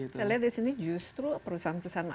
saya lihat di sini justru perusahaan perusahaan